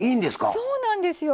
そうなんですよ。